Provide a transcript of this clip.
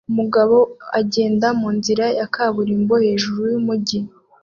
Umugabo agenda munzira ya kaburimbo hejuru yumujyi